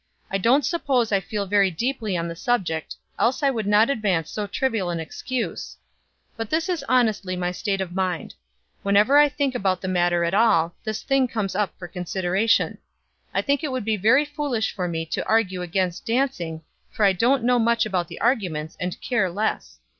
I don't suppose I feel very deeply on the subject, else I would not advance so trivial an excuse; but this is honestly my state of mind. Whenever I think about the matter at all, this thing comes up for consideration. I think it would be very foolish for me to argue against dancing, for I don't know much about the arguments, and care less.